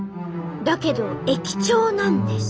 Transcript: だけど駅長なんです。